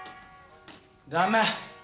ダメ！